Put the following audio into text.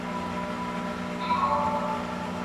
مثبت معلومات د انسان د فکر رڼا ده.